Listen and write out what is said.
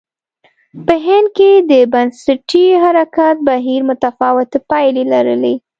په هند کې د بنسټي حرکت بهیر متفاوتې پایلې لرلې.